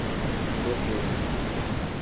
Botelhos